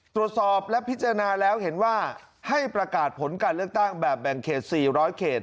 ตรวจสอบและพิจารณาแล้วเห็นว่าให้ประกาศผลการเลือกตั้งแบบแบ่งเขต๔๐๐เขต